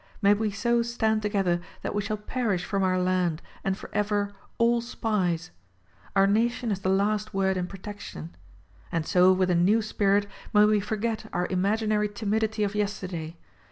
May we so stand together that we shall perish from our land and forever, all SPIES ! Our nation has the last word in protection. And so with a new spirit may we forget our imaginary timidity of yesterday.